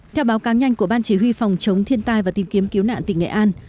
theo báo cáo nhanh của ban chỉ huy phòng chống thiên tai và tìm kiếm cứu nạn tỉnh nghệ an